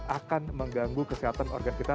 akan mengganggu kesehatan organ kita